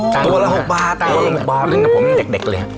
อ๋อตัวละ๖บาทเอ้ยเล่นกับผมเยอะเนอะเด็กเลย